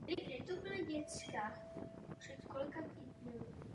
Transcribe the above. Knihy jsou založené na příbězích postav ze stejnojmenného televizního seriálu.